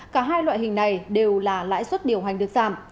cả hai loại hình này đều là lãi suất điều hành được giảm